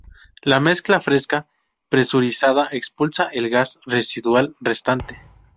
La mezcla fresca presurizada expulsa el gas residual restante.